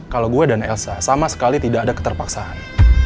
kalau gue dan elsa sama sekali tidak ada keterpaksaan